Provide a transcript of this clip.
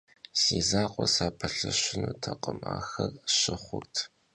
Si zakhue sapelheşınutekhım, axer şı xhurt.